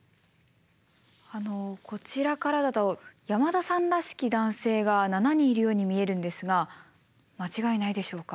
あのこちらからだと山田さんらしき男性が７人いるように見えるんですが間違いないでしょうか？